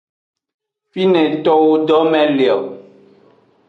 Fine towo dome le o.